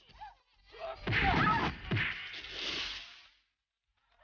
wah apa sih